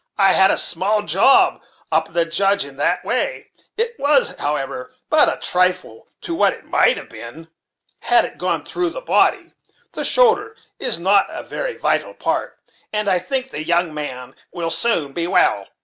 "I had a small job up at the Judge's in that way; it was, however, but a trifle to what it might have been, had it gone through the body. The shoulder is not a very vital part; and I think the young man will soon be well.